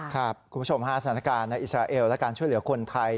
คุณผู้ชมฮะสถานการณ์ในอิสราเอลและการช่วยเหลือคนไทย